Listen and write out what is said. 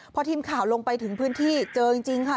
พอทีมข่าวลงไปถึงพื้นที่เจอจริงค่ะ